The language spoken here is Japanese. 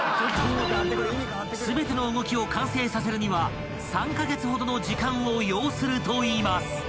［全ての動きを完成させるには３カ月ほどの時間を要するといいます］